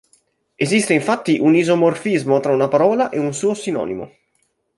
Esiste infatti un isomorfismo tra una parola e un suo sinonimo.